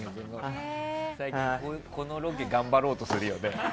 最近このロケ頑張ろうとするよね。